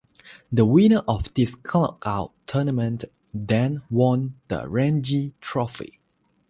The winner of this knock-out tournament then won the Ranji Trophy.